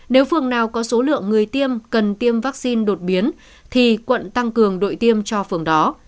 nếu phường nào có số lượng người tiêm cần tiêm vaccine đột biến thì quận tăng cường đội tiêm cho phường đó